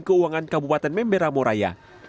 keuangan kabupaten mamberamuraya